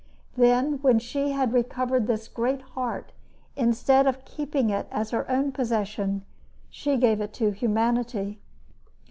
Then, when she had recovered this great heart, instead of keeping it as her own possession, she gave it to humanity.